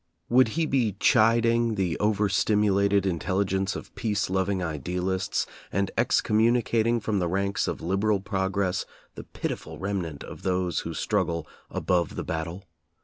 Would he be chiding the over stimulated intelli gence of peace loving idealists, and excommuni cating from the ranks of liberal progress the piti ful remnant of those who struggle "above the bat tle"?